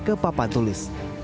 ke papan tulis